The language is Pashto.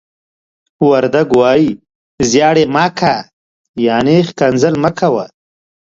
وردگ وايي: "زيَړِ مَ کَ." يعنې ښکنځل مه کوه.